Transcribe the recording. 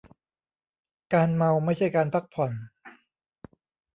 การเมาไม่ใช่การพักผ่อน.